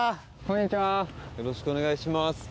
よろしくお願いします。